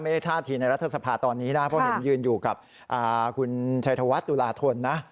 ท่าทีในรัฐสภาตอนนี้นะเพราะเห็นยืนอยู่กับคุณชัยธวัฒน์ตุลาทนนะ